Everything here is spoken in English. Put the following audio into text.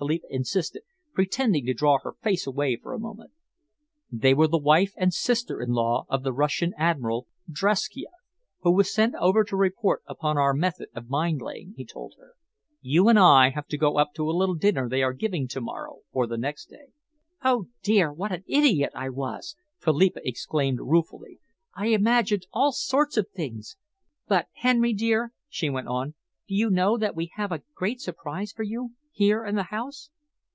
Philippa insisted, pretending to draw her face away for a moment. "They were the wife and sister in law of the Russian Admiral, Draskieff, who was sent over to report upon our method of mine laying," he told her. "You and I have to go up to a little dinner they are giving to morrow or the next day." "Oh, dear, what an idiot I was!" Philippa exclaimed ruefully. "I imagined all sorts of things. But, Henry dear," she went on, "do you know that we have a great surprise for you here in the house?"